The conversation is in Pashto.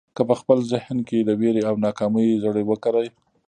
که په خپل ذهن کې د وېرې او ناکامۍ زړي وکرئ.